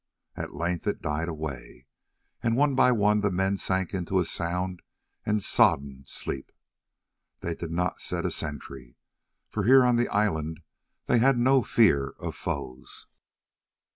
At length it died away, and one by one the men sank into a sound and sodden sleep. They did not set a sentry, for here on the island they had no fear of foes.